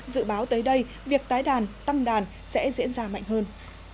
dự báo tới đây việc tái đàn tăng đàn sẽ diễn ra mạnh hơn